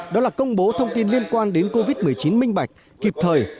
đó là công bố thông tin liên quan đến covid một mươi chín minh bạch kịp thời